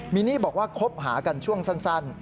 มีนี่บอกว่าคบหากันช่วงสั้น